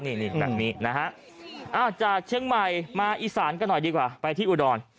นี่นี่แบบนะฮะอ๋อจากเชื้อมาอิสร์กันหน่อยดีกว่าไปที่อุฐร